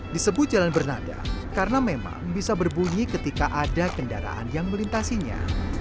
disebut jalan bernada karena memang bisa berbunyi ketika ada kendaraan yang melintasinya